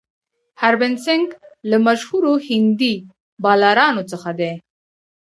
هربهن سنګ له مشهورو هندي بالرانو څخه دئ.